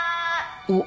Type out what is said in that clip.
おっ！